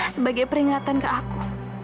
sebagai peringatan ke aku